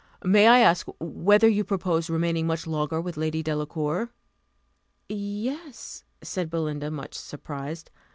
May I ask whether you purpose remaining much longer with Lady Delacour?" "Yes," said Belinda, much surprised.